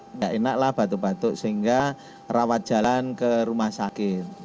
enggak enak lah batuk batuk sehingga rawat jalan ke rumah sakit